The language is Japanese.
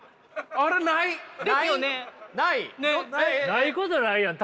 ないことないやん